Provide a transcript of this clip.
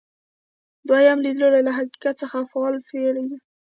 دویم لیدلوری له حقیقت څخه فعاله پیروي ده.